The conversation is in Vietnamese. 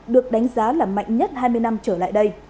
được đánh giá là mạnh nhất hai mươi năm trở lại đây